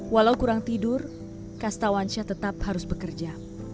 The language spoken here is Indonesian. walau kurang tidur kastawansyah tetap harus bekerja